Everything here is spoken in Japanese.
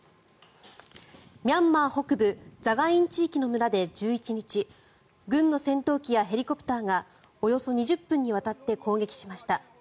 ミャンマー北部ザガイン地域の村で１１日軍の戦闘機やヘリコプターがおよそ２０分にわたって攻撃しました。